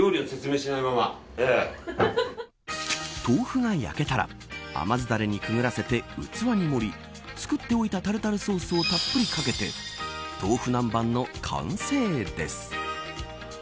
豆腐が焼けたら甘酢ダレにくぐらせて器に盛り作っておいたタルタルソースをたっぷりかけて豆腐南蛮の完成です。